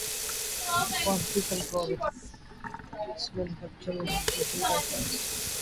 quality control authority اور cosmetics manufacturers association کا اجلاس